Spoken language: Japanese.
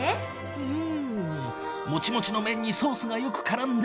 うん！